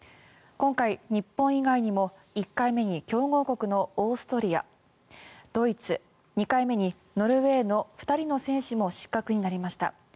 今回、日本以外にも１回目に強豪国のオーストリア、ドイツ２回目のノルウェーの２人の選手も失格になりました。